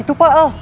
itu pak al